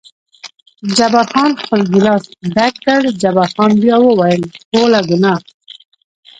جبار خان خپل ګیلاس ډک کړ، جبار خان بیا وویل: ټوله ګناه.